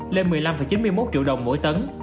lên một mươi năm chín mươi một triệu đồng mỗi tấn